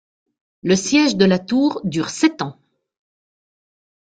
Le siège de la tour dure sept ans.